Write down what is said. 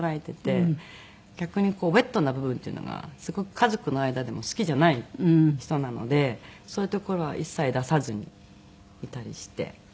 逆にウェットな部分っていうのがすごく家族の間でも好きじゃない人なのでそういうところは一切出さずにいたりして。